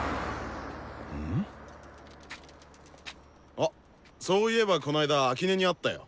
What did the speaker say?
あっそういえばこの間秋音に会ったよ。